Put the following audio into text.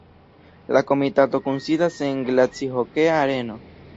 La komitato kunsidas en glacihokea areno.